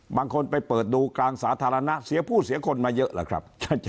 บางคนไปเปิดดูกลางสาธารณะเสียผู้เสียคนมาเยอะแหละครับ